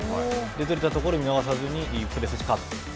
ずれたところ見逃さずにプレスしてカット。